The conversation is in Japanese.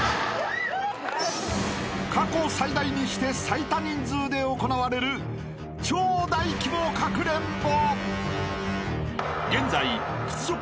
［過去最大にして最多人数で行われる超大規模かくれんぼ］